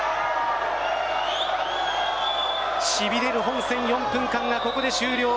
しびれる本戦、４分間が終了。